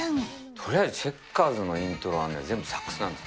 とりあえず、チェッカーズのイントロはね、全部サックスなんです。